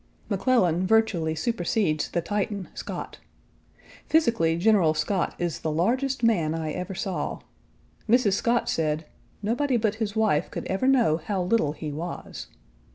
McClellan virtually supersedes the Titan Scott. Physically General Scott is the largest man I ever saw. Mrs. Scott said, "nobody but his wife could ever know how little he was."